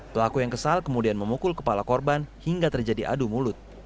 pelaku yang kesal kemudian memukul kepala korban hingga terjadi adu mulut